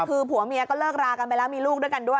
คือผัวเมียก็เลิกรากันไปแล้วมีลูกด้วยกันด้วย